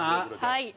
はい。